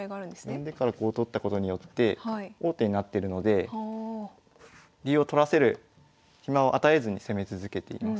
呼んでからこう取ったことによって王手になってるので竜を取らせる暇を与えずに攻め続けています。